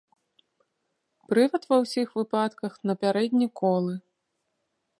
Прывад ва ўсіх выпадках на пярэдні колы.